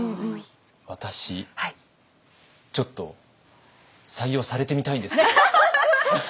私ちょっと採用されてみたいんですけど。